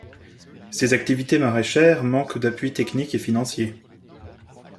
Ces activités maraîchères manquent d’appuis techniques et financiers.